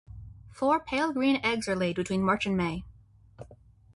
Four pale green eggs are laid between March and May.